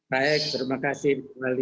baik terima kasih